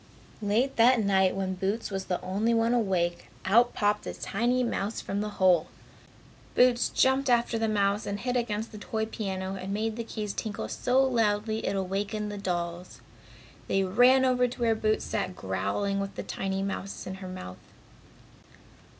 Late that night when Boots was the only one awake, out popped a tiny mouse from the hole. Boots jumped after the mouse, and hit against the toy piano and made the keys tinkle so loudly it awakened the dolls. They ran over to where Boots sat growling with the tiny mouse in her mouth.